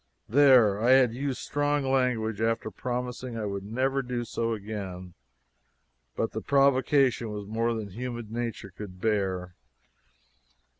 There I had used strong language after promising I would never do so again; but the provocation was more than human nature could bear.